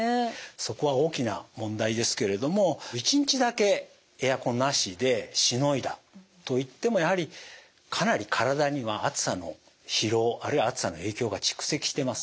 そこは大きな問題ですけれども一日だけエアコンなしでしのいだといってもやはりかなり体には暑さの疲労あるいは暑さの影響が蓄積してます。